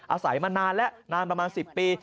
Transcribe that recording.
อาศัยมานานแล้วนานประมาณ๑๐ปี